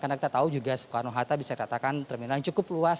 karena kita tahu juga soekarno hatta bisa dikatakan terminal yang cukup luas